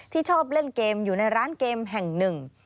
ชอบเล่นเกมอยู่ในร้านเกมแห่งหนึ่ง